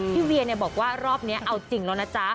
เวียบอกว่ารอบนี้เอาจริงแล้วนะจ๊ะ